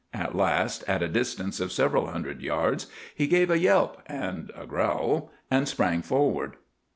At last, at a distance of several hundred yards, he gave a yelp and a growl, and sprang forward.